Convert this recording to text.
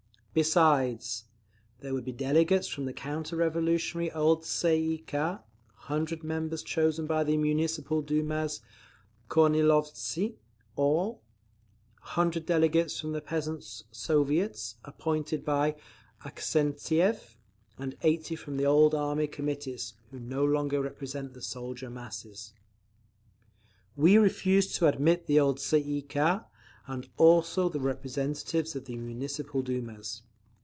Besides, there would be delegates from the counter revolutionary old Tsay ee kah, 100 members chosen by the Municipal Dumas—Kornilovtsi all; 100 delegates from the Peasants' Soviets—appointed by Avksentiev, and 80 from the old Army Committees, who no longer represent the soldier masses. "We refuse to admit the old Tsay ee kah, and also the representatives of the Municipal Dumas.